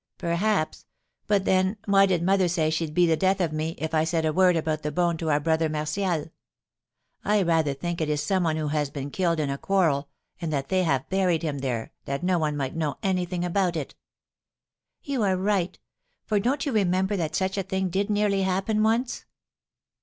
"Perhaps; but then, why did mother say she'd be the death of me, if I said a word about the bone to our Brother Martial? I rather think it is some one who has been killed in a quarrel, and that they have buried him there, that no one might know anything about it." "You are right; for don't you remember that such a thing did nearly happen once?"